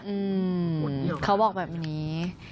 อืมเขาบอกแบบนี้